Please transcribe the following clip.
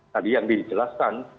tadi yang dijelaskan